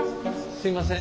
すいません。